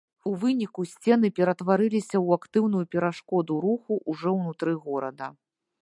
У выніку, сцены ператварыліся ў актыўную перашкоду руху ўжо ўнутры горада.